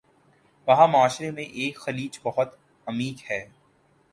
وہاں معاشرے میں ایک خلیج بہت عمیق ہے